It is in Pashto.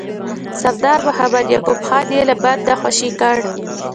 سردار محمد یعقوب خان یې له بنده خوشي کړ.